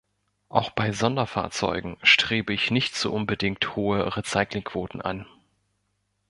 Auch bei Sonderfahrzeugen strebe ich nicht so unbedingt hohe Recyclingquoten an.